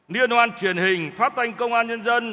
liên hoan truyền hình phát thanh công an nhân dân